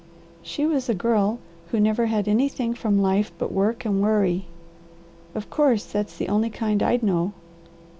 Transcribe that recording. "She was a girl who never had anything from life but work and worry. Of course, that's the only kind I'd know!